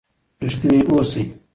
ریښتینی اوسئ.